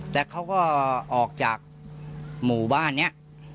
แต่เขาก็ออกจากหมู่บ้านนี้